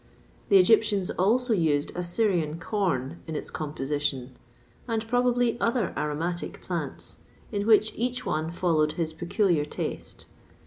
[XXVI 5] The Egyptians also used Assyrian corn in its composition, and probably other aromatic plants, in which each one followed his peculiar taste.